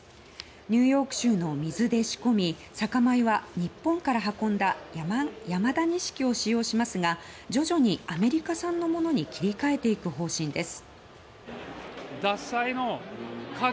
ニューヨーク州の水で仕込み酒米は日本から運んだ山田錦を使用しますが徐々にアメリカ産のものに切り替えていく方針です。